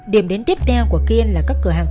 điểm đến tiếp theo của kiên là các bức ảnh